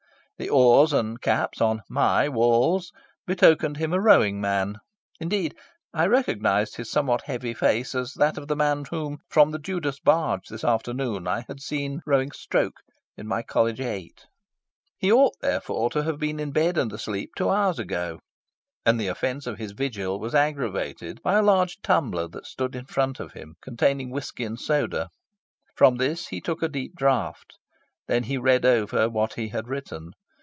The oars and caps on my walls betokened him a rowing man. Indeed, I recognised his somewhat heavy face as that of the man whom, from the Judas barge this afternoon, I had seen rowing "stroke" in my College Eight. He ought, therefore, to have been in bed and asleep two hours ago. And the offence of his vigil was aggravated by a large tumbler that stood in front of him, containing whisky and soda. From this he took a deep draught. Then he read over what he had written.